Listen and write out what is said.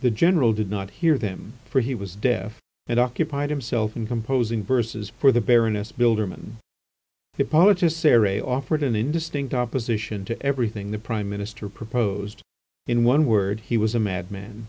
The General did not hear them, for he was deaf and occupied himself in composing verses for the Baroness Bildermann. Hippolyte Cérès offered an indistinct opposition to everything the Prime Minister proposed. In a word, he was a madman.